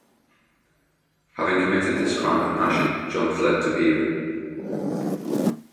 Having committed this crime of passion, John fled to Beira.